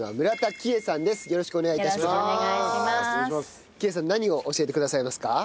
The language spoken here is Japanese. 喜江さん何を教えてくださいますか？